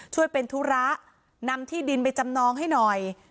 ช่วยเป็นธุระนำที่ดินไปจำนองให้หน่อย